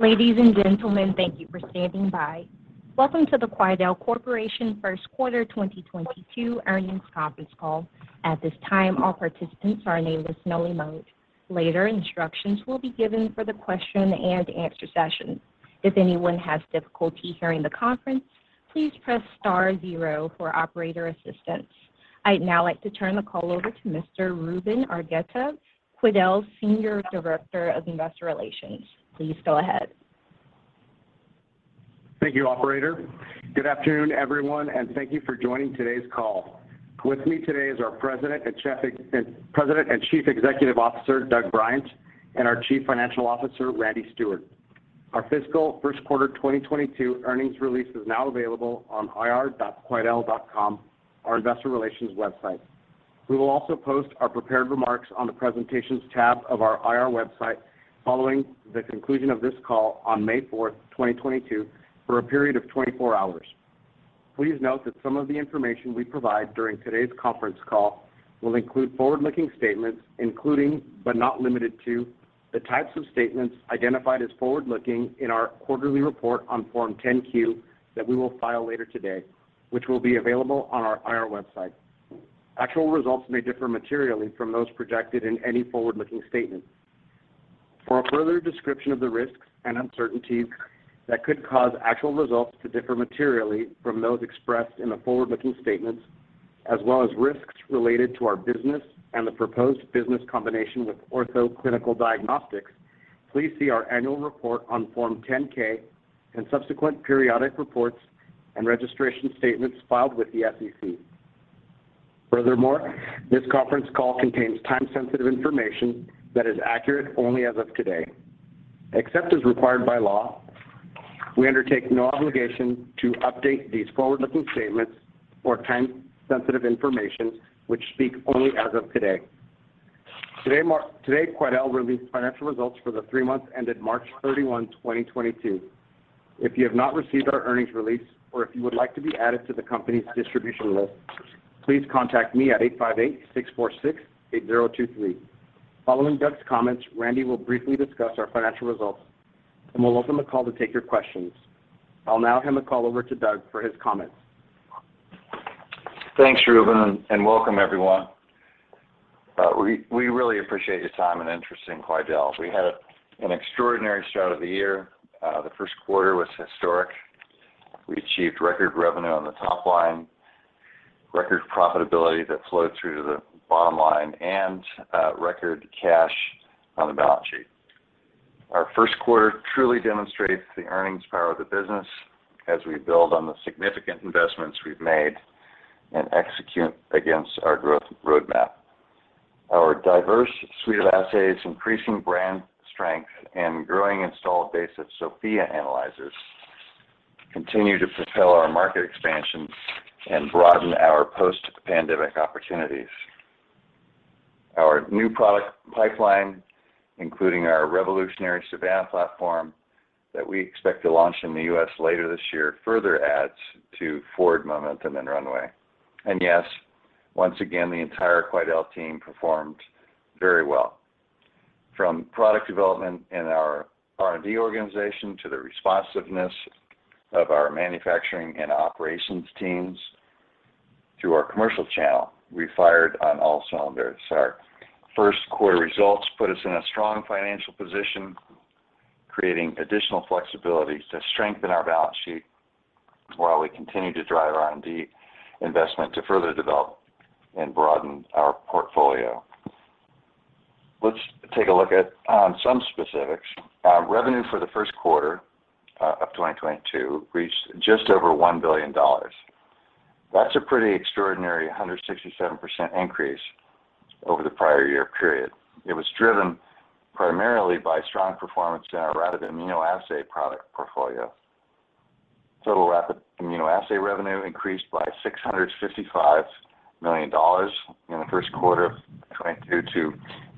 Ladies and gentlemen, thank you for standing by. Welcome to the Quidel Corporation First Quarter 2022 Earnings Conference Call. At this time, all participants are in a listen-only mode. Later, instructions will be given for the question and answer session. If anyone has difficulty hearing the conference, please press star zero for operator assistance. I'd now like to turn the call over to Mr. Ruben Argueta, Quidel's Senior Director of Investor Relations. Please go ahead. Thank you, operator. Good afternoon, everyone, and thank you for joining today's call. With me today is our President and Chief Executive Officer, Doug Bryant, and our Chief Financial Officer, Randy Steward. Our fiscal first quarter 2022 earnings release is now available on ir.quidelortho.com, our investor relations website. We will also post our prepared remarks on the Presentations tab of our IR website following the conclusion of this call on May 4th, 2022 for a period of 24 hours. Please note that some of the information we provide during today's conference call will include forward-looking statements, including, but not limited to, the types of statements identified as forward-looking in our quarterly report on Form 10-Q that we will file later today, which will be available on our IR website. Actual results may differ materially from those projected in any forward-looking statement. For a further description of the risks and uncertainties that could cause actual results to differ materially from those expressed in the forward-looking statements as well as risks related to our business and the proposed business combination with Ortho Clinical Diagnostics, please see our annual report on Form 10-K and subsequent periodic reports and registration statements filed with the SEC. Furthermore, this conference call contains time-sensitive information that is accurate only as of today. Except as required by law, we undertake no obligation to update these forward-looking statements or time-sensitive information which speak only as of today. Today, Quidel released financial results for the three months ended March 31, 2022. If you have not received our earnings release or if you would like to be added to the company's distribution list, please contact me at 858-646-8023. Following Doug's comments, Randy will briefly discuss our financial results, and we'll open the call to take your questions. I'll now hand the call over to Doug for his comments. Thanks, Ruben, and welcome everyone. We really appreciate your time and interest in Quidel. We had an extraordinary start of the year. The first quarter was historic. We achieved record revenue on the top line, record profitability that flowed through to the bottom line and record cash on the balance sheet. Our first quarter truly demonstrates the earnings power of the business as we build on the significant investments we've made and execute against our growth roadmap. Our diverse suite of assays, increasing brand strength, and growing installed base of SOFIA analyzers continue to propel our market expansion and broaden our post-pandemic opportunities. Our new product pipeline, including our revolutionary Savanna platform that we expect to launch in the U.S. later this year, further adds to forward momentum and runway. Yes, once again, the entire Quidel team performed very well. From product development in our R&D organization to the responsiveness of our manufacturing and operations teams, through our commercial channel, we fired on all cylinders. Our first quarter results put us in a strong financial position, creating additional flexibility to strengthen our balance sheet while we continue to drive R&D investment to further develop and broaden our portfolio. Let's take a look at some specifics. Revenue for the first quarter of 2022 reached just over $1 billion. That's a pretty extraordinary 167% increase over the prior year period. It was driven primarily by strong performance in our rapid immunoassay product portfolio. Total rapid immunoassay revenue increased by $655 million in the first quarter of 2022 to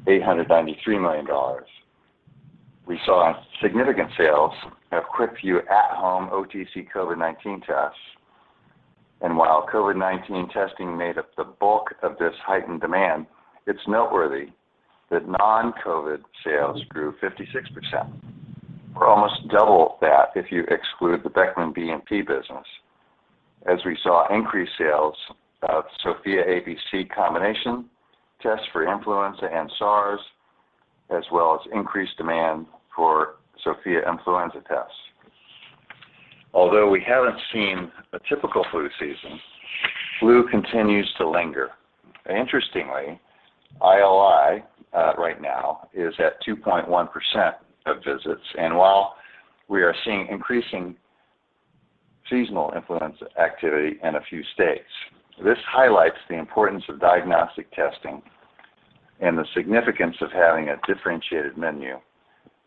$893 million. We saw significant sales of QuickVue At-Home OTC COVID-19 tests. While COVID-19 testing made up the bulk of this heightened demand, it's noteworthy that non-COVID sales grew 56%. We're almost double that if you exclude the Beckman BNP business, as we saw increased sales of SOFIA ABC combination, test for Influenza A+B and SARS FIA, as well as increased demand for SOFIA influenza tests. Although we haven't seen a typical flu season, flu continues to linger. Interestingly, ILI right now is at 2.1% of visits, and while we are seeing increasing seasonal influenza activity in a few states, this highlights the importance of diagnostic testing and the significance of having a differentiated menu,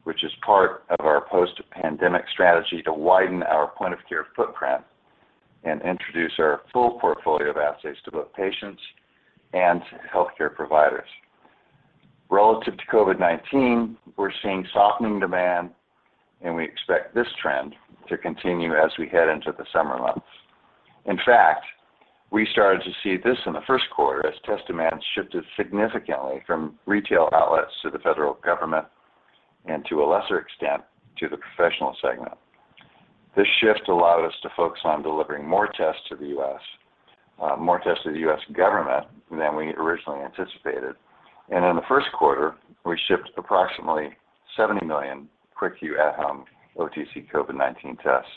which is part of our post-pandemic strategy to widen our point of care footprint and introduce our full portfolio of assays to both patients and healthcare providers. Relative to COVID-19, we're seeing softening demand, and we expect this trend to continue as we head into the summer months. In fact, we started to see this in the first quarter as test demand shifted significantly from retail outlets to the federal government and to a lesser extent, to the professional segment. This shift allowed us to focus on delivering more tests to the U.S. government than we originally anticipated. In the first quarter, we shipped approximately 70 million QuickVue At-Home OTC COVID-19 tests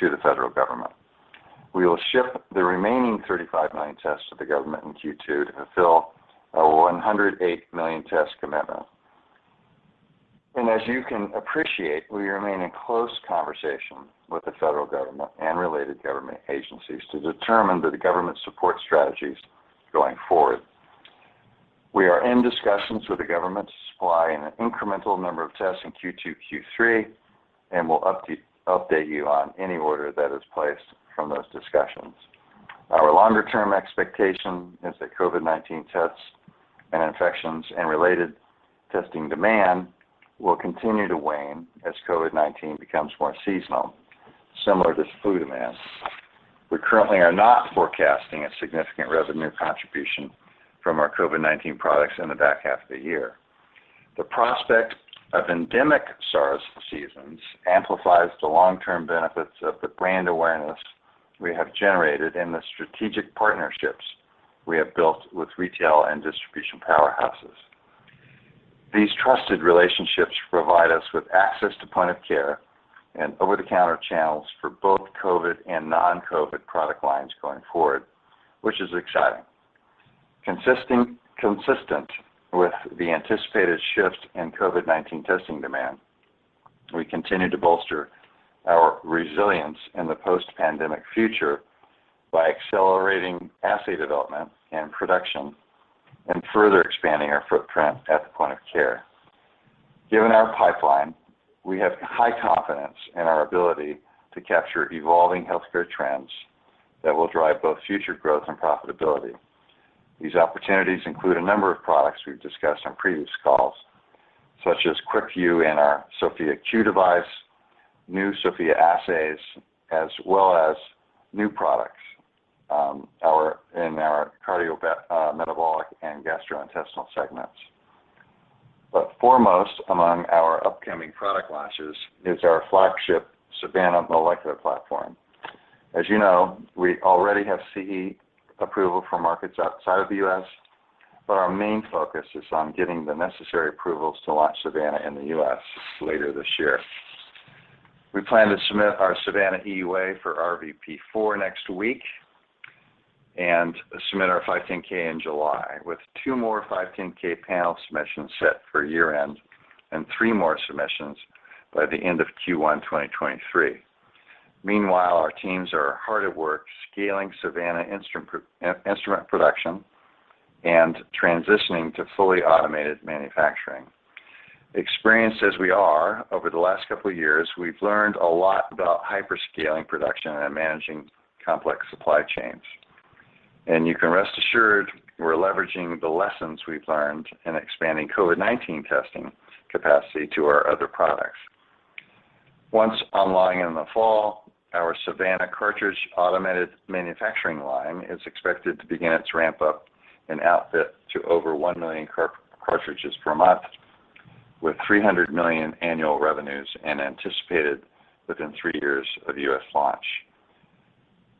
to the federal government. We will ship the remaining 35 million tests to the government in Q2 to fulfill our 108 million test commitment. As you can appreciate, we remain in close conversation with the federal government and related government agencies to determine the government support strategies going forward. We are in discussions with the government to supply an incremental number of tests in Q2, Q3, and we'll update you on any order that is placed from those discussions. Our longer-term expectation is that COVID-19 tests and infections and related testing demand will continue to wane as COVID-19 becomes more seasonal, similar to flu demands. We currently are not forecasting a significant revenue contribution from our COVID-19 products in the back half of the year. The prospect of endemic SARS seasons amplifies the long-term benefits of the brand awareness we have generated and the strategic partnerships we have built with retail and distribution powerhouses. These trusted relationships provide us with access to point of care and over-the-counter channels for both COVID and non-COVID product lines going forward, which is exciting. Consistent with the anticipated shift in COVID-19 testing demand, we continue to bolster our resilience in the post-pandemic future by accelerating assay development and production and further expanding our footprint at the point of care. Given our pipeline, we have high confidence in our ability to capture evolving healthcare trends that will drive both future growth and profitability. These opportunities include a number of products we've discussed on previous calls, such as QuickVue and our SOFIA Q device, new SOFIA assays, as well as new products, our, in our cardiometabolic and gastrointestinal segments. Foremost among our upcoming product launches is our flagship Savanna molecular platform. As you know, we already have CE approval for markets outside of the U.S., but our main focus is on getting the necessary approvals to launch Savanna in the U.S. later this year. We plan to submit our Savanna EUA for RVP4 next week and submit our 510(k) in July, with two more 510(k) panel submissions set for year-end and three more submissions by the end of Q1 2023. Meanwhile, our teams are hard at work scaling Savanna instrument production and transitioning to fully automated manufacturing. Experienced as we are, over the last couple of years, we've learned a lot about hyperscaling production and managing complex supply chains. You can rest assured we're leveraging the lessons we've learned in expanding COVID-19 testing capacity to our other products. Once online in the fall, our Savanna cartridge automated manufacturing line is expected to begin its ramp-up and output to over 1 million cartridges per month with $300 million annual revenues anticipated within three years of U.S. launch.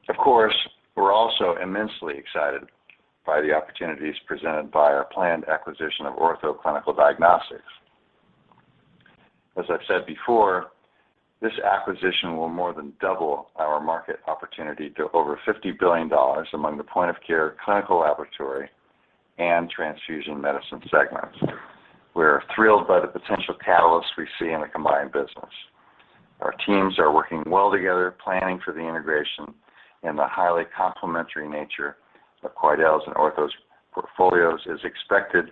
Of course, we're also immensely excited by the opportunities presented by our planned acquisition of Ortho Clinical Diagnostics. As I've said before, this acquisition will more than double our market opportunity to over $50 billion among the point of care clinical laboratory and transfusion medicine segments. We're thrilled by the potential catalysts we see in the combined business. Our teams are working well together, planning for the integration and the highly complementary nature of Quidel's and Ortho's portfolios is expected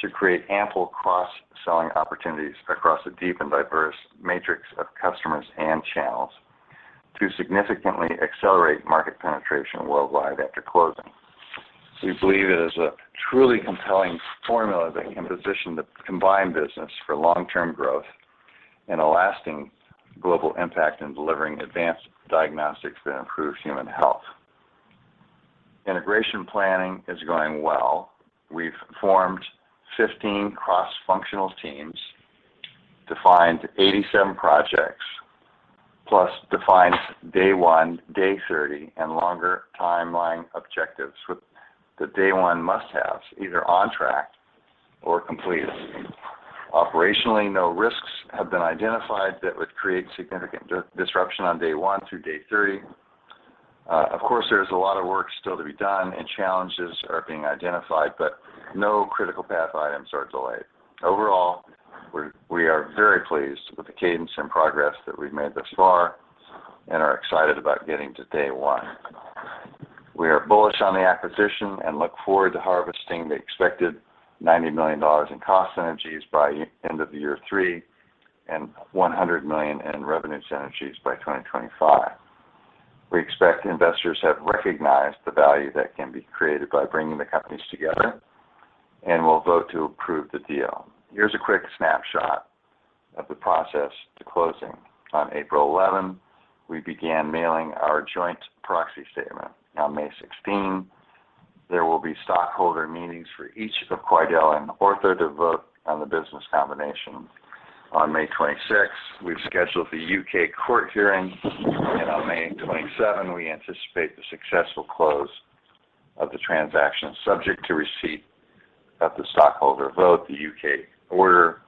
to create ample cross-selling opportunities across a deep and diverse matrix of customers and channels to significantly accelerate market penetration worldwide after closing. We believe it is a truly compelling formula that can position the combined business for long-term growth and a lasting global impact in delivering advanced diagnostics that improve human health. Integration planning is going well. We've formed 15 cross-functional teams, defined 87 projects, plus defined day one, day 30, and longer timeline objectives with the day one must-haves either on track or complete. Operationally, no risks have been identified that would create significant disruption on day one through day 30. Of course, there's a lot of work still to be done and challenges are being identified, but no critical path items are delayed. Overall, we are very pleased with the cadence and progress that we've made thus far and are excited about getting to day one. We are bullish on the acquisition and look forward to harvesting the expected $90 million in cost synergies by end of year three and $100 million in revenue synergies by 2025. We expect investors have recognized the value that can be created by bringing the companies together and will vote to approve the deal. Here's a quick snapshot of the process to closing. On April 11, we began mailing our joint proxy statement. On May 16, there will be stockholder meetings for each of Quidel and Ortho to vote on the business combination. On May 26, we've scheduled the U.K. court hearing, and on May 27, we anticipate the successful close of the transaction subject to receipt of the stockholder vote, the U.K. order,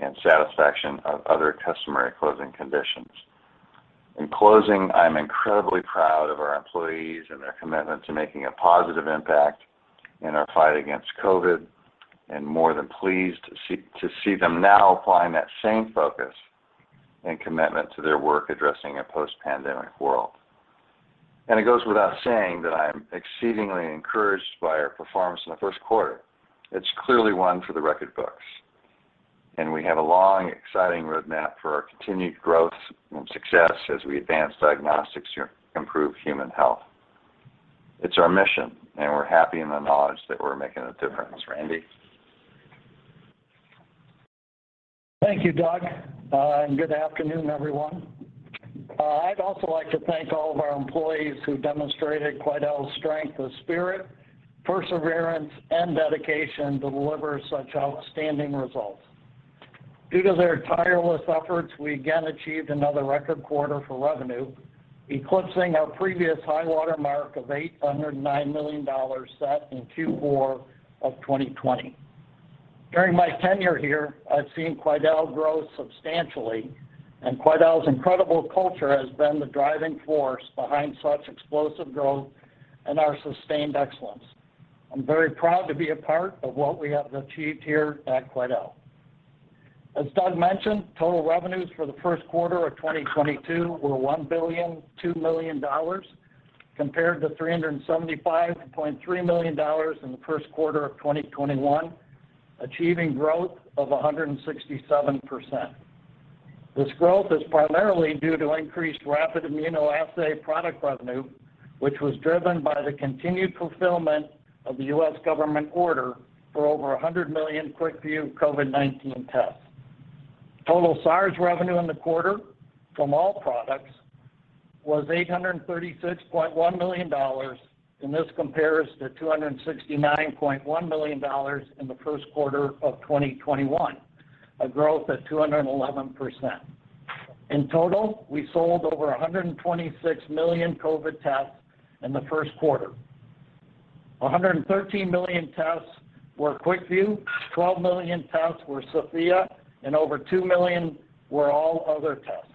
and satisfaction of other customary closing conditions. In closing, I'm incredibly proud of our employees and their commitment to making a positive impact in our fight against COVID, and more than pleased to see them now applying that same focus and commitment to their work addressing a post-pandemic world. It goes without saying that I am exceedingly encouraged by our performance in the first quarter. It's clearly one for the record books, and we have a long, exciting roadmap for our continued growth and success as we advance diagnostics to improve human health. It's our mission, and we're happy in the knowledge that we're making a difference. Randy? Thank you, Doug, and good afternoon, everyone. I'd also like to thank all of our employees who demonstrated Quidel's strength of spirit, perseverance, and dedication to deliver such outstanding results. Due to their tireless efforts, we again achieved another record quarter for revenue, eclipsing our previous high-water mark of $809 million set in Q4 of 2020. During my tenure here, I've seen Quidel grow substantially, and Quidel's incredible culture has been the driving force behind such explosive growth and our sustained excellence. I'm very proud to be a part of what we have achieved here at Quidel. As Doug mentioned, total revenues for the first quarter of 2022 were $1.002 billion compared to $375.3 million in the first quarter of 2021, achieving growth of 167%. This growth is primarily due to increased rapid immunoassay product revenue, which was driven by the continued fulfillment of the US government order for over 100 million QuickVue COVID-19 tests. Total SARS revenue in the quarter from all products was $836.1 million, and this compares to $269.1 million in the first quarter of 2021, a growth of 211%. In total, we sold over 126 million COVID tests in the first quarter. 113 million tests were QuickVue, 12 million tests were SOFIA, and over 2 million were all other tests.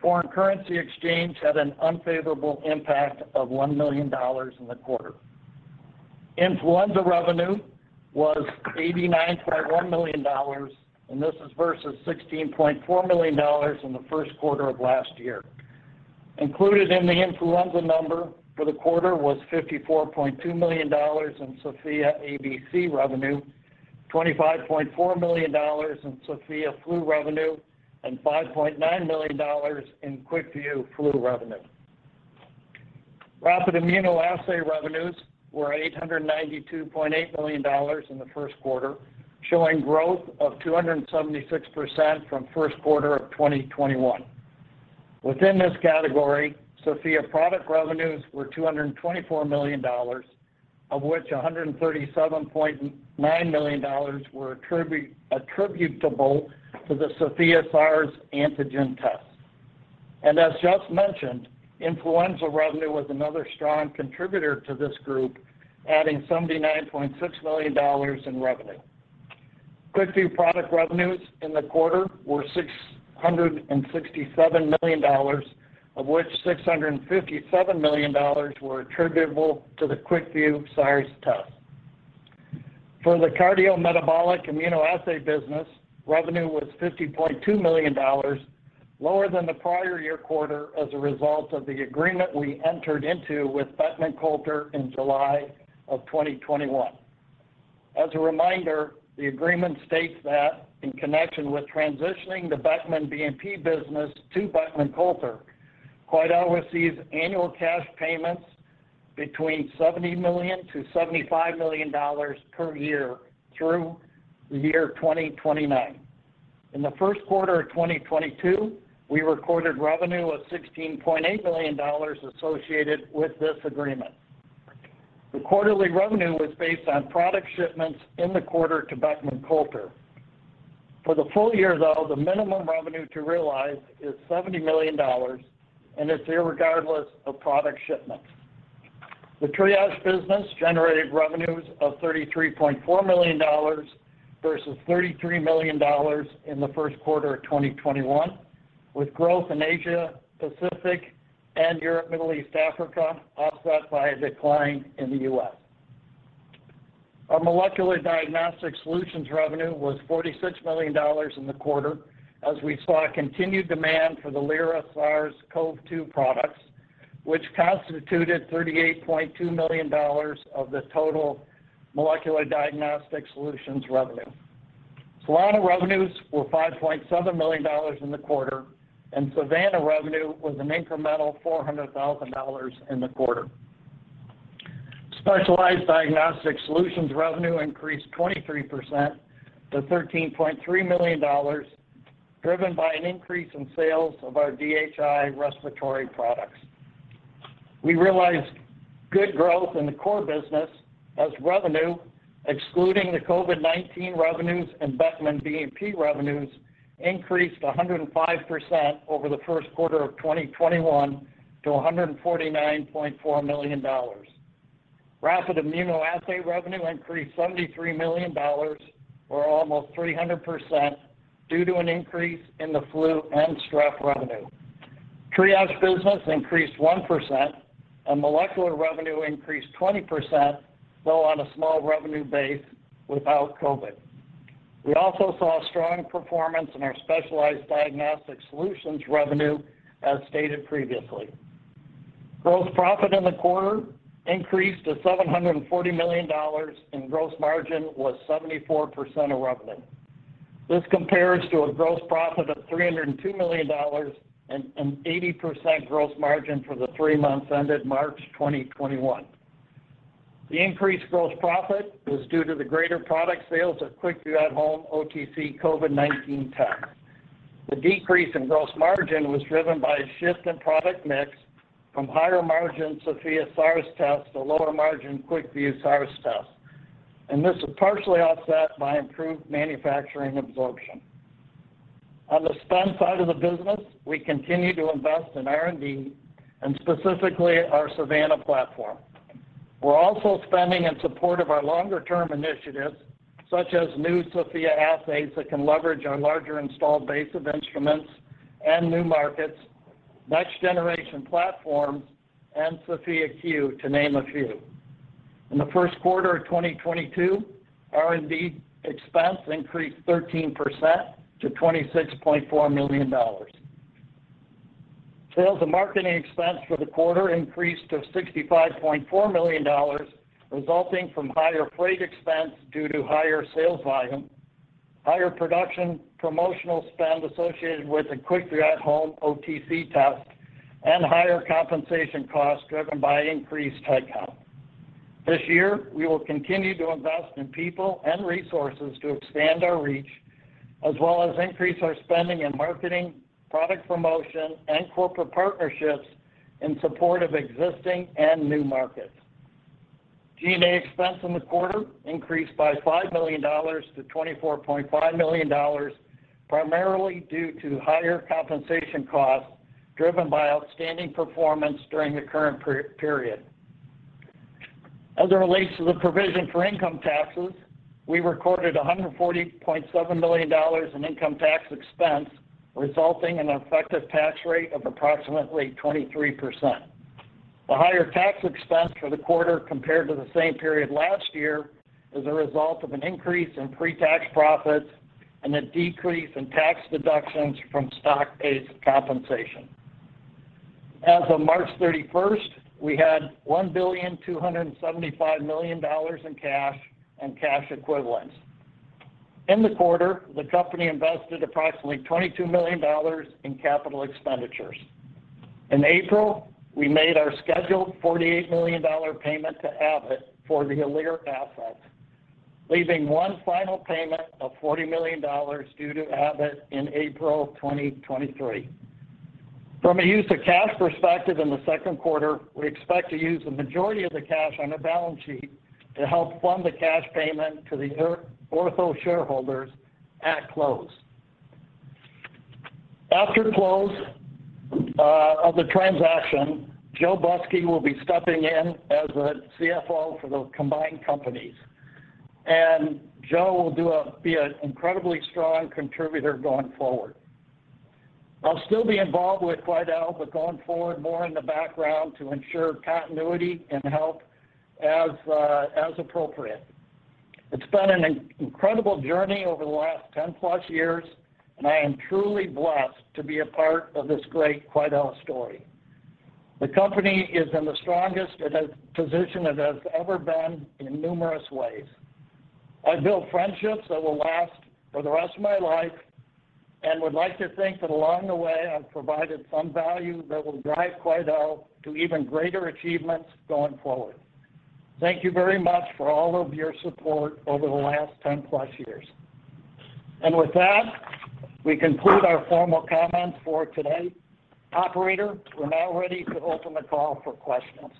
Foreign currency exchange had an unfavorable impact of $1 million in the quarter. Influenza revenue was $89.1 million, and this is versus $16.4 million in the first quarter of last year. Included in the influenza number for the quarter was $54.2 million in SOFIA ABC revenue, $25.4 million in SOFIA flu revenue, and $5.9 million in QuickVue flu revenue. Rapid immunoassay revenues were $892.8 million in the first quarter, showing growth of 276% from first quarter of 2021. Within this category, SOFIA product revenues were $224 million, of which $137.9 million were attributable to the SOFIA SARS antigen test. As just mentioned, influenza revenue was another strong contributor to this group, adding $79.6 million in revenue. QuickVue product revenues in the quarter were $667 million, of which $657 million were attributable to the QuickVue SARS test. For the cardiometabolic immunoassay business, revenue was $50.2 million, lower than the prior year quarter as a result of the agreement we entered into with Beckman Coulter in July 2021. As a reminder, the agreement states that in connection with transitioning the Beckman BNP business to Beckman Coulter, Quidel receives annual cash payments between $70 million-$75 million per year through 2029. In the first quarter of 2022, we recorded revenue of $16.8 million associated with this agreement. The quarterly revenue was based on product shipments in the quarter to Beckman Coulter. For the full year though, the minimum revenue to realize is $70 million, and it's irregardless of product shipments. The Triage business generated revenues of $33.4 million versus $33 million in the first quarter of 2021, with growth in Asia, Pacific, and Europe, Middle East, Africa, offset by a decline in the US. Our molecular diagnostic solutions revenue was $46 million in the quarter as we saw a continued demand for the Lyra SARS-CoV-2 products, which constituted $38.2 million of the total molecular diagnostics solutions revenue. Solana revenues were $5.7 million in the quarter, and Savanna revenue was an incremental $400,000 in the quarter. Specialized Diagnostic Solutions revenue increased 23% to $13.3 million, driven by an increase in sales of our DHI respiratory products. We realized good growth in the core business as revenue, excluding the COVID-19 revenues and Beckman BNP revenues, increased 105% over the first quarter of 2021 to $149.4 million. Rapid immunoassay revenue increased $73 million, or almost 300% due to an increase in the flu and strep revenue. Triage business increased 1% and molecular revenue increased 20%, though on a small revenue base without COVID. We also saw strong performance in our specialized diagnostic solutions revenue, as stated previously. Gross profit in the quarter increased to $740 million, and gross margin was 74% of revenue. This compares to a gross profit of $302 million and 80% gross margin for the three months ended March 2021. The increased gross profit was due to the greater product sales of QuickVue At-Home OTC COVID-19 tests. The decrease in gross margin was driven by a shift in product mix from higher margins of the SARS test to lower margin QuickVue SARS test, and this was partially offset by improved manufacturing absorption. On the spend side of the business, we continue to invest in R&D and specifically our Savanna platform. We're also spending in support of our longer-term initiatives, such as new SOFIA assays that can leverage our larger installed base of instruments and new markets, next-generation platforms, and SOFIA Q, to name a few. In the first quarter of 2022, R&D expense increased 13% to $26.4 million. Sales and marketing expense for the quarter increased to $65.4 million, resulting from higher freight expense due to higher sales volume, higher product promotional spend associated with the QuickVue At-Home OTC test, and higher compensation costs driven by increased headcount. This year, we will continue to invest in people and resources to expand our reach, as well as increase our spending in marketing, product promotion, and corporate partnerships in support of existing and new markets. G&A expense in the quarter increased by $5 million to $24.5 million, primarily due to higher compensation costs driven by outstanding performance during the current per-period. As it relates to the provision for income taxes, we recorded $140.7 million in income tax expense, resulting in an effective tax rate of approximately 23%. The higher tax expense for the quarter compared to the same period last year is a result of an increase in pre-tax profits and a decrease in tax deductions from stock-based compensation. As of March 31st, we had $1.275 billion in cash and cash equivalents. In the quarter, the company invested approximately $22 million in capital expenditures. In April, we made our scheduled $48 million payment to Abbott for the Alere assets, leaving one final payment of $40 million due to Abbott in April 2023. From a use of cash perspective in the second quarter, we expect to use the majority of the cash on the balance sheet to help fund the cash payment to the Ortho shareholders at close. After close of the transaction, Joe Busky will be stepping in as the CFO for the combined companies, and Joe will be an incredibly strong contributor going forward. I'll still be involved with Quidel, but going forward more in the background to ensure continuity and help as appropriate. It's been an incredible journey over the last 10-plus years, and I am truly blessed to be a part of this great Quidel story. The company is in the strongest position it has ever been in numerous ways. I built friendships that will last for the rest of my life and would like to think that along the way I've provided some value that will drive Quidel to even greater achievements going forward. Thank you very much for all of your support over the last 10-plus years. With that, we conclude our formal comments for today. Operator, we're now ready to open the call for questions.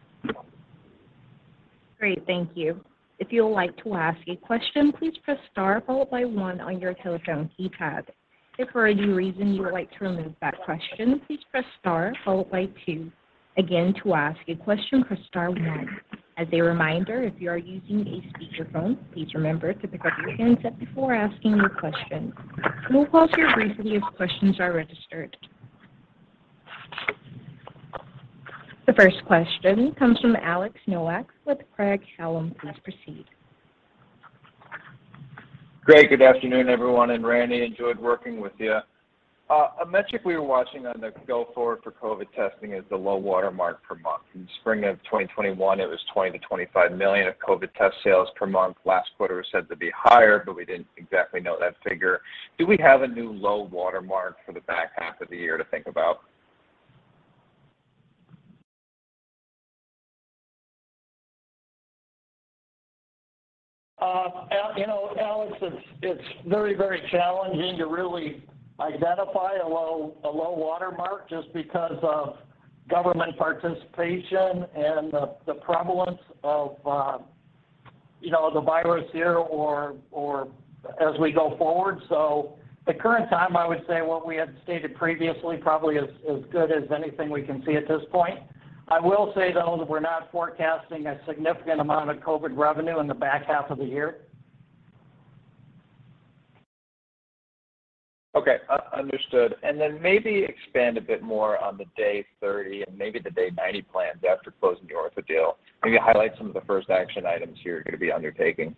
Great. Thank you. If you would like to ask a question, please press star followed by one on your telephone keypad. If for any reason you would like to remove that question, please press star followed by two. Again, to ask a question, press star one. As a reminder, if you are using a speakerphone, please remember to pick up your handset before asking your question. We will pause here briefly as questions are registered. The first question comes from Alex Nowak with Craig-Hallum. Please proceed. Great. Good afternoon, everyone, and Randy, enjoyed working with you. A metric we were watching going forward for COVID testing is the low water mark per month. In spring of 2021, it was $20-$25 million of COVID test sales per month. Last quarter was said to be higher, but we didn't exactly know that figure. Do we have a new low water mark for the back half of the year to think about? You know, Alex, it's very challenging to really identify a low water mark just because of government participation and the prevalence of, you know, the virus here or as we go forward. At current time, I would say what we had stated previously probably is good as anything we can see at this point. I will say, though, that we're not forecasting a significant amount of COVID revenue in the back half of the year. Okay. Understood. Maybe expand a bit more on the day 30 and maybe the day 90 plans after closing the Ortho deal. Maybe highlight some of the first action items you're gonna be undertaking.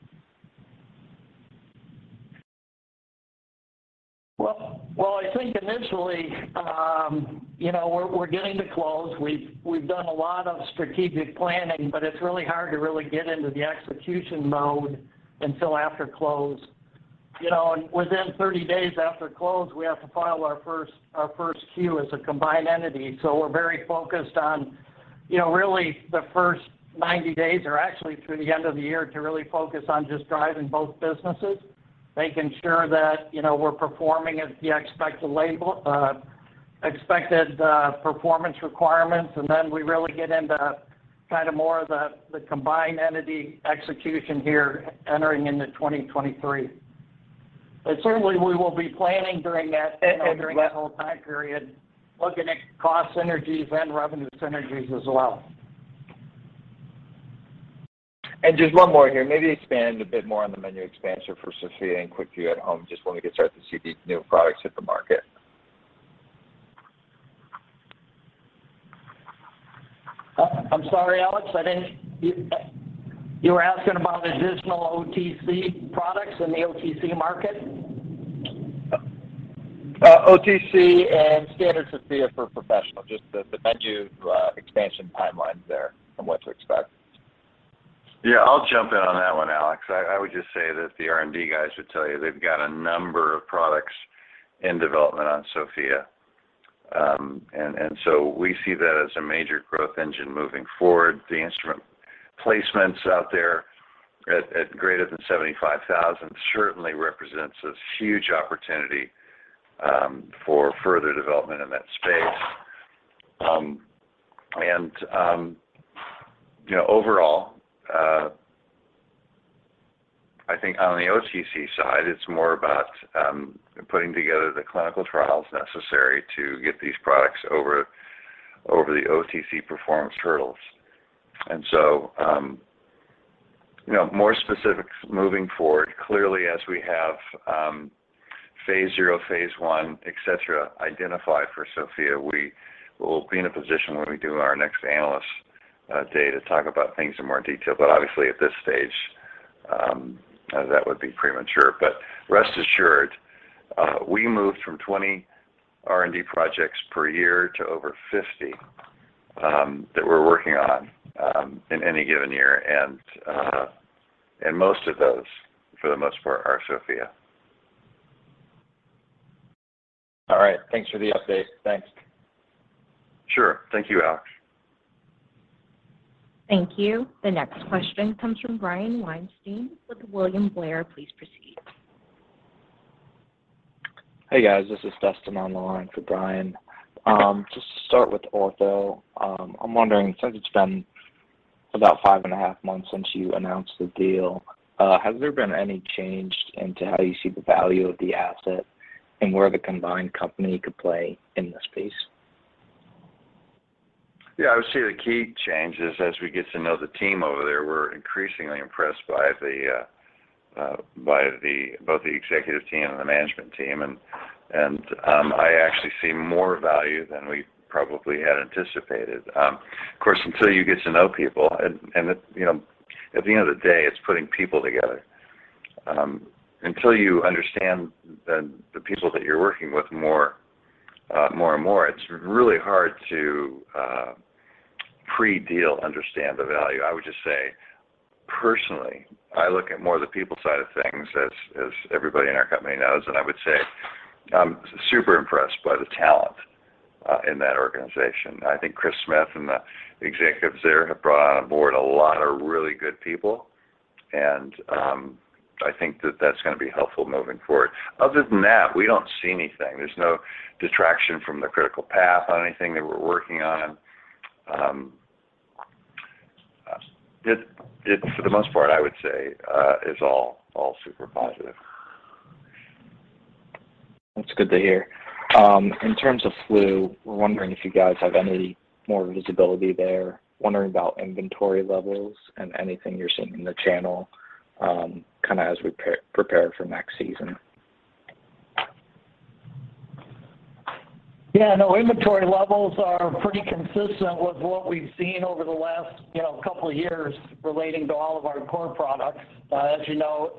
Well, I think initially, you know, we're getting to close. We've done a lot of strategic planning, but it's really hard to really get into the execution mode until after close. You know, within 30 days after close, we have to file our first Q as a combined entity. We're very focused on, you know, really the first 90 days or actually through the end of the year to really focus on just driving both businesses, making sure that, you know, we're performing as the expected performance requirements. Then we really get into kind of more of the combined entity execution here entering into 2023. Certainly we will be planning during that, you know, during that whole time period, looking at cost synergies and revenue synergies as well. Just one more here. Maybe expand a bit more on the menu expansion for SOFIA and QuickVue At-Home, just when we can start to see these new products hit the market. I'm sorry, Alex. You were asking about additional OTC products in the OTC market? OTC and standard SOFIA for professional, just the menu expansion timelines there and what to expect. Yeah. I'll jump in on that one, Alex. I would just say that the R&D guys would tell you they've got a number of products in development on SOFIA. And so we see that as a major growth engine moving forward. The instrument placements out there at greater than 75,000 certainly represents this huge opportunity for further development in that space. You know, overall, I think on the OTC side, it's more about putting together the clinical trials necessary to get these products over the OTC performance hurdles. You know, more specifics moving forward, clearly as we have phase zero, phase one, et cetera, identified for SOFIA, we will be in a position when we do our next analyst day to talk about things in more detail. Obviously at this stage, that would be premature. Rest assured, we moved from 20 R&D projects per year to over 50 that we're working on in any given year. Most of those, for the most part, are SOFIA. All right. Thanks for the update. Thanks. Sure. Thank you, Alex. Thank you. The next question comes from Brian Weinstein with William Blair. Please proceed. Hey, guys. This is Dustin on the line for Brian. Just to start with Ortho, I'm wondering since it's been about 5 and a half months since you announced the deal, has there been any change in how you see the value of the asset and where the combined company could play in this space? Yeah. I would say the key change is as we get to know the team over there, we're increasingly impressed by both the executive team and the management team. I actually see more value than we probably had anticipated. Of course, until you get to know people. You know, at the end of the day, it's putting people together. Until you understand the people that you're working with more and more, it's really hard to pre-deal understand the value. I would just say, personally, I look at more of the people side of things as everybody in our company knows, and I would say I'm super impressed by the talent in that organization. I think Chris Smith and the executives there have brought on board a lot of really good people, and I think that that's gonna be helpful moving forward. Other than that, we don't see anything. There's no detraction from the critical path on anything that we're working on. It for the most part, I would say, is all super positive. That's good to hear. In terms of flu, we're wondering if you guys have any more visibility there. Wondering about inventory levels and anything you're seeing in the channel, kind of as we prepare for next season. Yeah. No, inventory levels are pretty consistent with what we've seen over the last, you know, couple of years relating to all of our core products. As you know,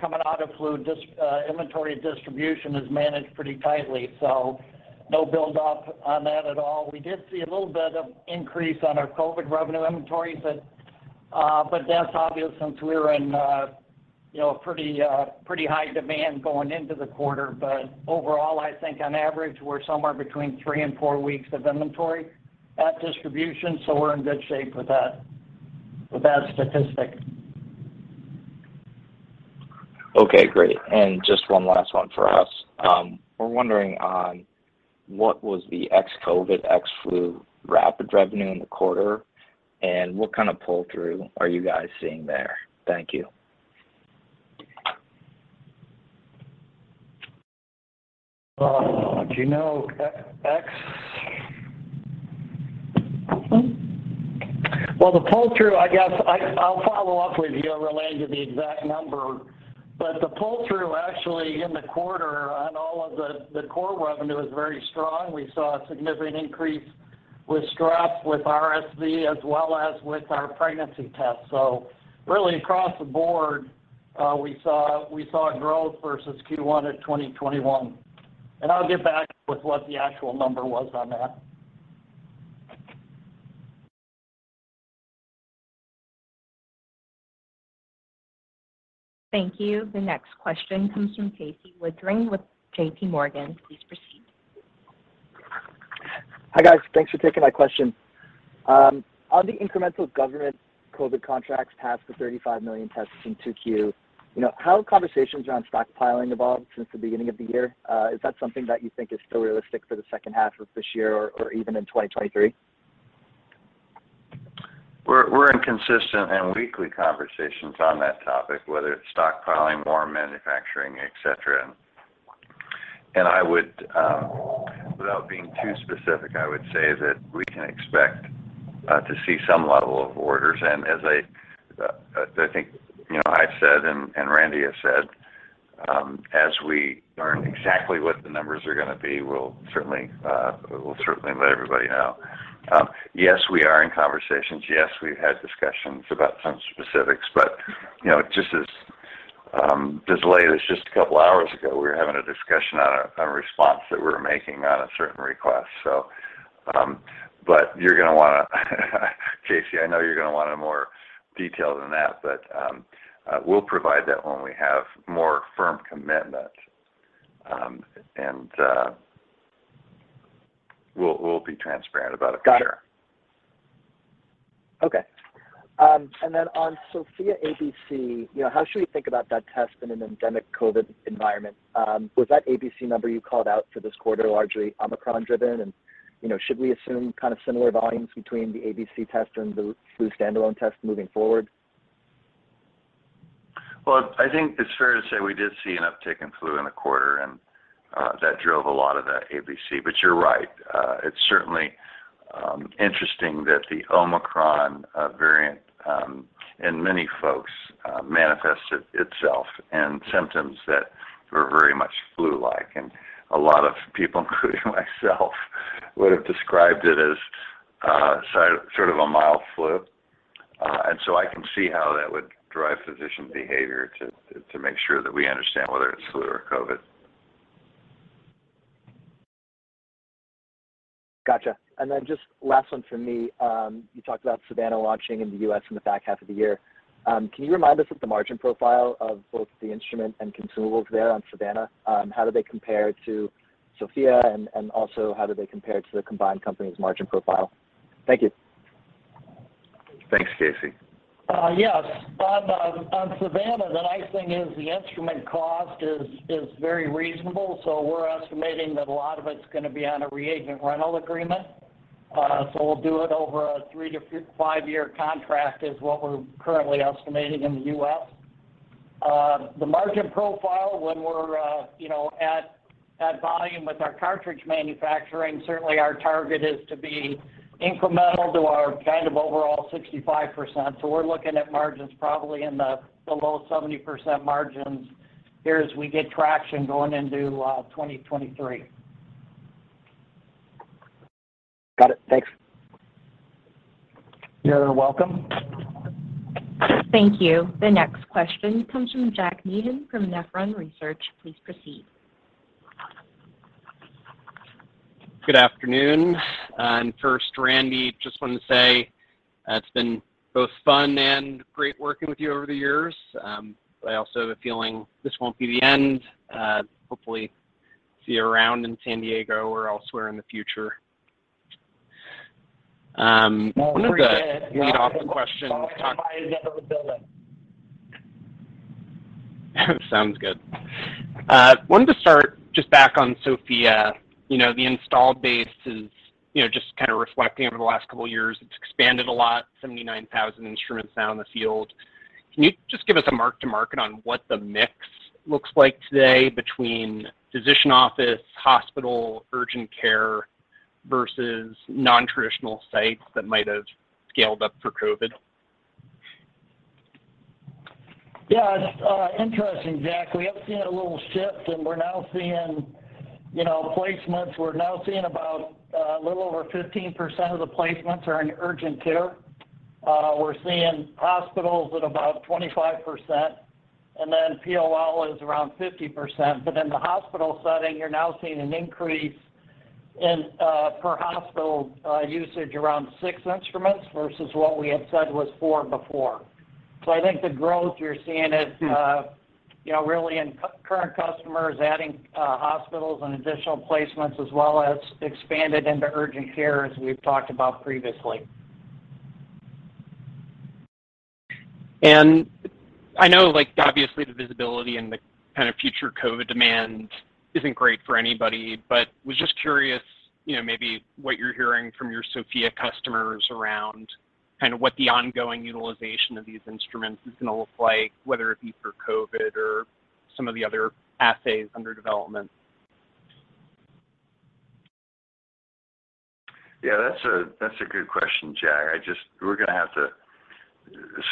coming out of inventory distribution is managed pretty tightly, so no buildup on that at all. We did see a little bit of increase on our COVID revenue inventories, but that's obvious since we were in, you know, pretty high demand going into the quarter, but overall I think on average we're somewhere between three and four weeks of inventory at distribution, so we're in good shape with that, with that statistic. Okay, great. Just one last one for us. We're wondering on what was the ex-COVID, ex-flu rapid revenue in the quarter, and what kind of pull-through are you guys seeing there? Thank you. Uh, do you know ex... Mm-hmm. Well, the pull-through, I guess, I'll follow up with you related to the exact number, but the pull-through actually in the quarter on all of the core revenue is very strong. We saw a significant increase with strep, with RSV, as well as with our pregnancy tests. Really across the board, we saw growth versus Q1 of 2021. I'll get back with what the actual number was on that. Thank you. The next question comes from Casey Woodring with JPMorgan. Please proceed. Hi, guys. Thanks for taking my question. On the incremental government COVID contracts past the 35 million tests in 2Q, you know, how have conversations around stockpiling evolved since the beginning of the year? Is that something that you think is still realistic for the second half of this year or even in 2023? We're in consistent and weekly conversations on that topic, whether it's stockpiling more, manufacturing, et cetera. I would, without being too specific, I would say that we can expect to see some level of orders. As I think, you know, I've said and Randy has said, as we learn exactly what the numbers are gonna be, we'll certainly let everybody know. Yes, we are in conversations. Yes, we've had discussions about some specifics, but you know, just lately, it was just a couple hours ago, we were having a discussion on a response that we're making on a certain request. But you're gonna want, Casey, I know you're gonna want more detail than that, but we'll provide that when we have more firm commitment. We'll be transparent about it for sure. Got it. Okay. On SOFIA ABC, you know, how should we think about that test in an endemic COVID environment? Was that ABC number you called out for this quarter largely Omicron driven? You know, should we assume kind of similar volumes between the ABC test and the flu standalone test moving forward? Well, I think it's fair to say we did see an uptick in flu in the quarter, and that drove a lot of that ABC, but you're right. It's certainly interesting that the Omicron variant in many folks manifested itself in symptoms that were very much flu-like. A lot of people, including myself, would've described it as so sort of a mild flu. I can see how that would drive physician behavior to make sure that we understand whether it's flu or COVID. Gotcha. Just last one from me. You talked about Savanna launching in the U.S. in the back half of the year. Can you remind us of the margin profile of both the instrument and consumables there on Savanna? How do they compare to SOFIA and also how do they compare to the combined company's margin profile? Thank you. Thanks, Casey. Yes. On Savanna, the nice thing is the instrument cost is very reasonable, so we're estimating that a lot of it's gonna be on a reagent rental agreement. We'll do it over a three to five year contract is what we're currently estimating in the U.S. The margin profile when we're, you know, at volume with our cartridge manufacturing, certainly our target is to be incremental to our kind of overall 65%. We're looking at margins probably in the below 70% margins here as we get traction going into 2023. Got it. Thanks. You're welcome. Thank you. The next question comes from Jack Meehan from Nephron Research. Please proceed. Good afternoon. First, Randy, just wanted to say, it's been both fun and great working with you over the years. I also have a feeling this won't be the end. Hopefully see you around in San Diego or elsewhere in the future. Appreciate it. lead off questions talk Always up the building. Sounds good. Wanted to start just back on SOFIA. You know, the installed base is, you know, just kind of reflecting over the last couple years, it's expanded a lot, 79,000 instruments now in the field. Can you just give us a mark to market on what the mix looks like today between physician office, hospital, urgent care versus non-traditional sites that might have scaled up for COVID? Yeah, it's interesting, Jack. We have seen a little shift, and we're now seeing, you know, placements, we're now seeing about a little over 15% of the placements are in urgent care. We're seeing hospitals at about 25%, and then POL is around 50%. In the hospital setting, you're now seeing an increase. Per hospital, usage around 6 instruments versus what we had said was four before. I think the growth you're seeing is, you know, really in current customers adding, hospitals and additional placements as well as expanded into urgent care, as we've talked about previously. I know, like, obviously the visibility and the kind of future COVID demand isn't great for anybody, but was just curious, you know, maybe what you're hearing from your SOFIA customers around kinda what the ongoing utilization of these instruments is gonna look like, whether it be for COVID or some of the other assays under development. That's a good question, Jack. We're gonna have to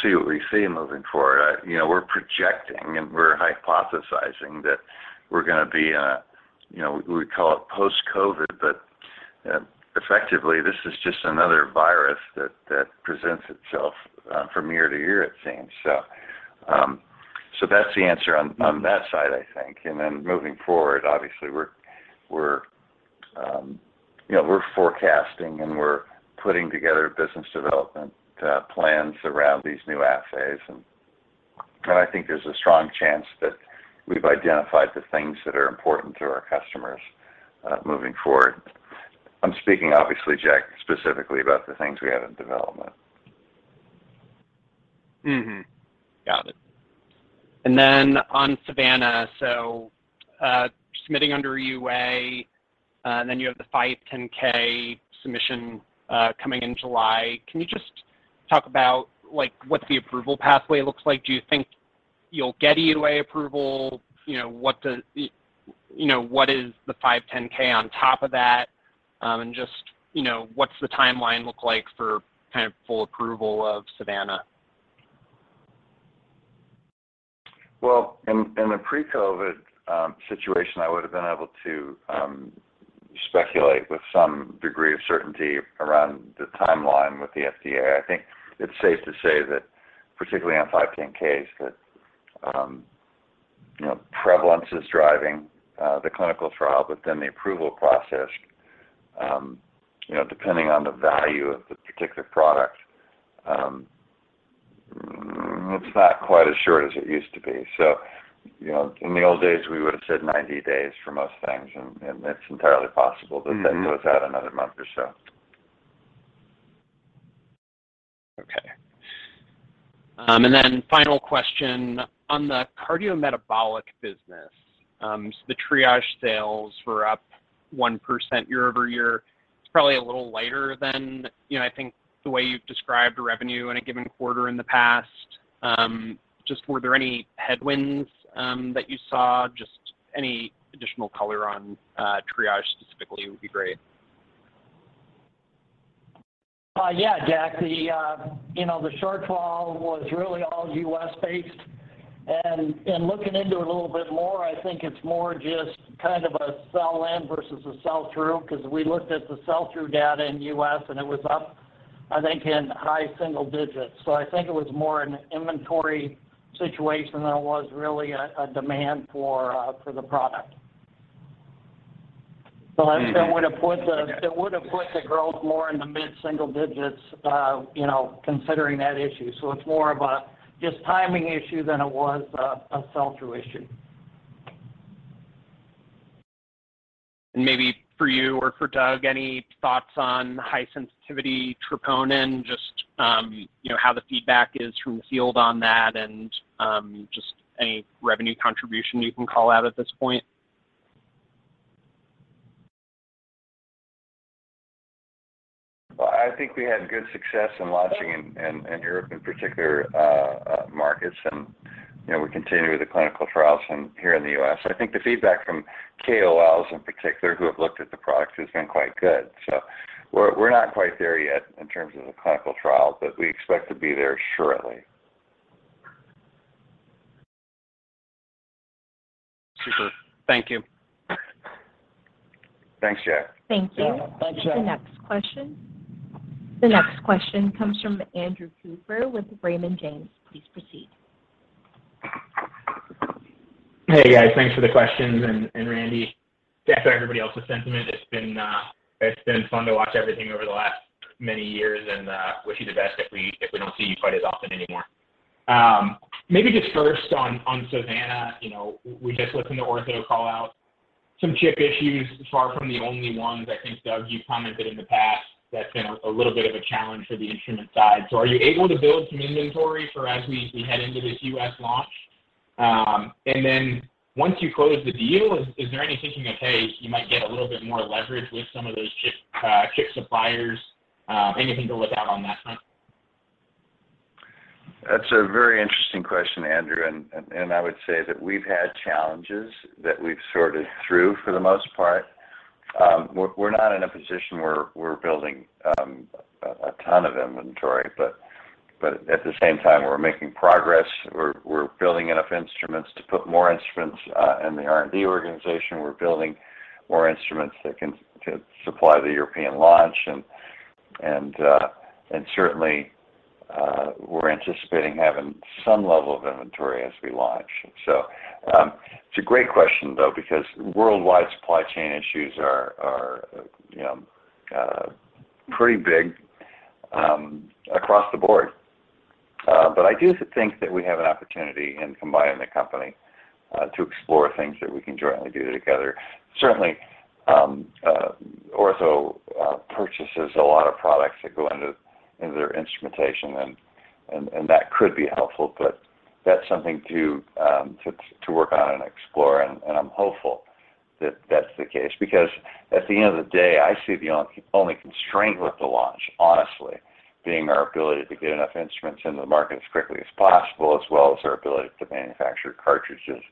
see what we see moving forward. You know, we're projecting and we're hypothesizing that we're gonna be in a, you know, we call it post-COVID, but effectively this is just another virus that presents itself from year to year it seems. That's the answer on that side I think. Then moving forward, obviously we're, you know, we're forecasting and we're putting together business development plans around these new assays and I think there's a strong chance that we've identified the things that are important to our customers moving forward. I'm speaking obviously, Jack, specifically about the things we have in development. Got it. On Savanna, submitting under EUA, and then you have the 510(k) submission coming in July. Can you just talk about, like, what the approval pathway looks like? Do you think you'll get EUA approval? You know, what is the 510(k) on top of that? Just you know, what's the timeline look like for kind of full approval of Savanna? Well, in the pre-COVID situation, I would've been able to speculate with some degree of certainty around the timeline with the FDA. I think it's safe to say that particularly on 510(k)s, that you know prevalence is driving the clinical trial, but then the approval process, you know, depending on the value of the particular product, it's not quite as short as it used to be. In the old days we would've said 90 days for most things and it's entirely possible that that goes out another month or so. Okay. Final question. On the cardiometabolic business, the Triage sales were up 1% year-over-year. It's probably a little lighter than, you know, I think the way you've described revenue in a given quarter in the past. Just were there any headwinds that you saw? Just any additional color on triage specifically would be great. Yeah, Jack. The, you know, the shortfall was really all U.S.-based and looking into it a little bit more, I think it's more just kind of a sell in versus a sell through, 'cause we looked at the sell through data in U.S. and it was up, I think in high single digits. I think it was more an inventory situation than it was really a demand for the product. That still would've put the Okay. It would've put the growth more in the mid-single digits, you know, considering that issue. It's more of a just timing issue than it was a sell through issue. Maybe for you or for Doug, any thoughts on high sensitivity troponin, just, you know, how the feedback is from field on that and, just any revenue contribution you can call out at this point? Well, I think we had good success in launching in European markets in particular, and you know, we continue with the clinical trials from here in the U.S. I think the feedback from KOLs in particular who have looked at the product has been quite good. We're not quite there yet in terms of the clinical trial, but we expect to be there shortly. Super. Thank you. Thanks, Jack. Thank you. Yeah. Thanks, Jack. The next question. The next question comes from Andrew Cooper with Raymond James. Please proceed. Hey guys. Thanks for the questions and Randy, to echo everybody else's sentiment, it's been fun to watch everything over the last many years and wish you the best if we don't see you quite as often anymore. Maybe just first on Savanna, you know, we just listened to Ortho call out some chip issues, far from the only one. I think, Doug, you've commented in the past that's been a little bit of a challenge for the instrument side. Are you able to build some inventory for as we head into this U.S. launch? Once you close the deal, is there any thinking that, hey, you might get a little bit more leverage with some of those chip suppliers? Anything to look out on that front? That's a very interesting question, Andrew. I would say that we've had challenges that we've sorted through for the most part. We're not in a position where we're building a ton of inventory, but at the same time we're making progress. We're building enough instruments to put more instruments in the R&D organization. We're building more instruments that can supply the European launch and certainly, we're anticipating having some level of inventory as we launch. It's a great question though, because worldwide supply chain issues are, you know, pretty big across the board. I do think that we have an opportunity in combining the company to explore things that we can jointly do together. Certainly, Ortho purchases a lot of products that go into their instrumentation and that could be helpful, but that's something to work on and explore and I'm hopeful that that's the case. Because at the end of the day, I see the only constraint with the launch, honestly, being our ability to get enough instruments into the market as quickly as possible, as well as our ability to manufacture cartridges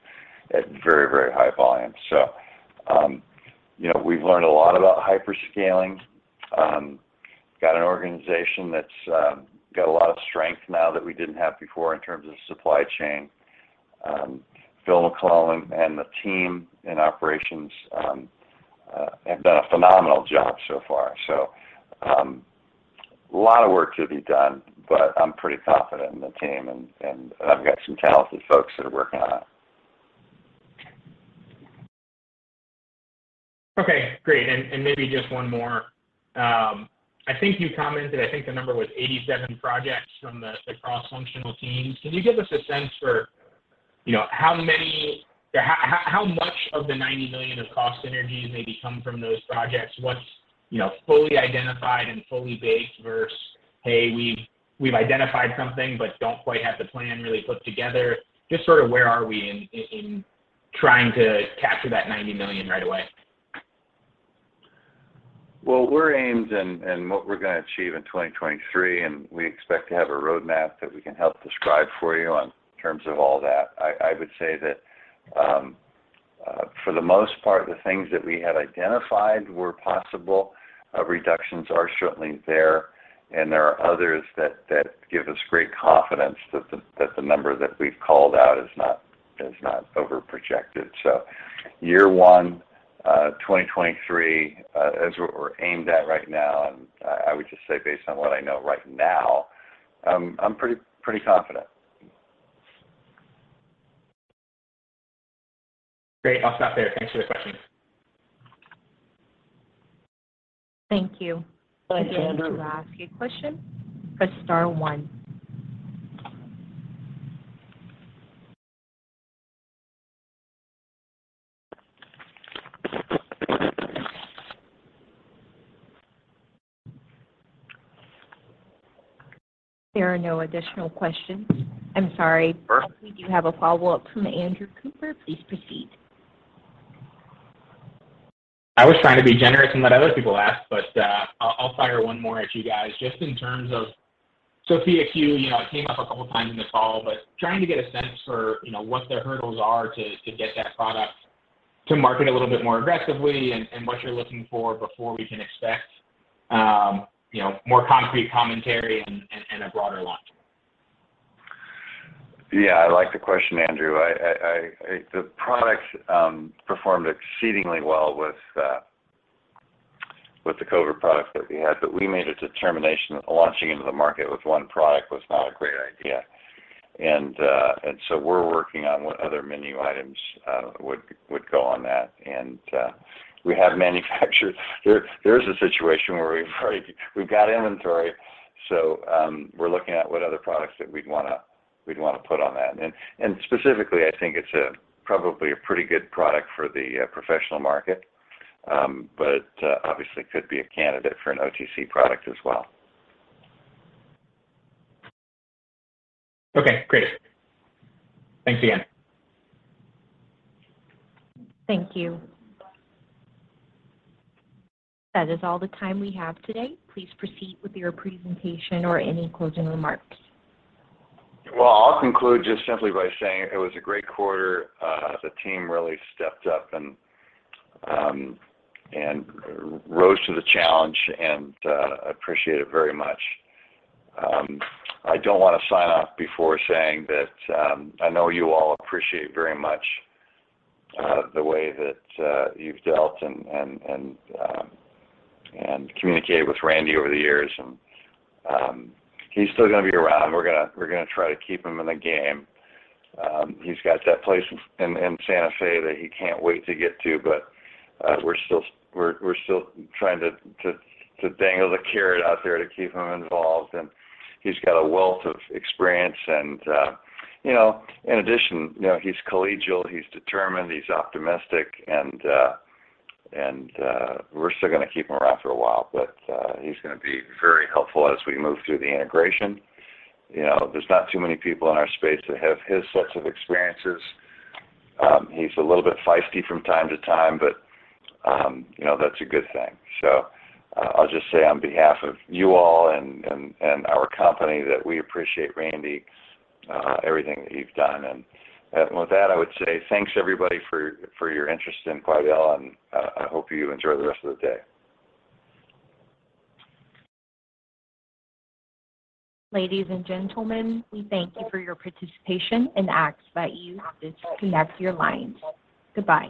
at very high volumes. You know, we've learned a lot about hyper-scaling. Got an organization that's got a lot of strength now that we didn't have before in terms of supply chain. Phil McLellan and the team in operations have done a phenomenal job so far. A lot of work to be done, but I'm pretty confident in the team and I've got some talented folks that are working on it. Okay, great. Maybe just one more. I think you commented, I think the number was 87 projects from the cross-functional teams. Can you give us a sense for, you know, how much of the $90 million of cost synergies maybe come from those projects? What's, you know, fully identified and fully baked versus, hey, we've identified something, but don't quite have the plan really put together. Just sort of where are we in trying to capture that $90 million right away? Well, what we're aimed at and what we're gonna achieve in 2023, and we expect to have a roadmap that we can help describe for you in terms of all that. I would say that, for the most part, the things that we had identified were possible. Reductions are certainly there, and there are others that give us great confidence that the number that we've called out is not over-projected. Year one, 2023, is what we're aimed at right now, and I would just say based on what I know right now, I'm pretty confident. Great. I'll stop there. Thanks for the questions. Thank you. Thanks, Andrew. If you would like to ask a question, press star one. There are no additional questions. I'm sorry. Sure. We do have a follow-up from Andrew Cooper. Please proceed. I was trying to be generous and let other people ask, but I'll fire one more at you guys just in terms of SOFIA Q. You know, it came up a couple of times in the call, but trying to get a sense for, you know, what the hurdles are to get that product to market a little bit more aggressively and what you're looking for before we can expect, you know, more concrete commentary and a broader launch. Yeah. I like the question, Andrew. The product performed exceedingly well with the COVID product that we had, but we made a determination that launching into the market with one product was not a great idea. We're working on what other menu items would go on that. We have manufactured. There is a situation where we've got inventory, so we're looking at what other products that we'd wanna put on that. Specifically, I think it's probably a pretty good product for the professional market, but obviously could be a candidate for an OTC product as well. Okay, great. Thanks again. Thank you. That is all the time we have today. Please proceed with your presentation or any closing remarks. Well, I'll conclude just simply by saying it was a great quarter. The team really stepped up and rose to the challenge, and I appreciate it very much. I don't wanna sign off before saying that I know you all appreciate very much the way that you've dealt and communicated with Randy over the years and he's still gonna be around. We're gonna try to keep him in the game. He's got that place in Santa Fe that he can't wait to get to, but we're still trying to dangle the carrot out there to keep him involved. He's got a wealth of experience and, you know, in addition, you know, he's collegial, he's determined, he's optimistic, and we're still gonna keep him around for a while, but, he's gonna be very helpful as we move through the integration. You know, there's not too many people in our space that have his sorts of experiences. He's a little bit feisty from time to time, but, you know, that's a good thing. I'll just say on behalf of you all and our company that we appreciate Randy, everything that you've done. With that, I would say thanks everybody for your interest in Quidel, and I hope you enjoy the rest of the day. Ladies and gentlemen, we thank you for your participation and ask that you disconnect your lines. Goodbye.